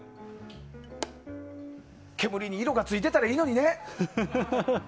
煙に色がついてたらいいのにね。